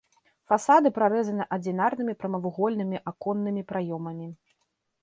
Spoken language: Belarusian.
Фасады прарэзаны адзінарнымі прамавугольнымі аконнымі праёмамі.